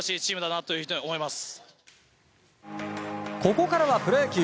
ここからはプロ野球。